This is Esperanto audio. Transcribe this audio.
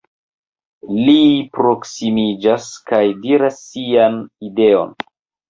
Ri proksimiĝas, kaj diras sian ideon: